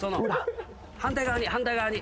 反対側に反対側に。